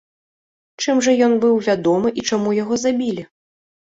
Чым жа ён быў вядомы і чаму яго забілі?